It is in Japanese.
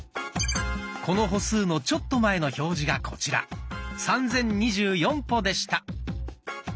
この歩数のちょっと前の表示がこちら３，０２４歩でした。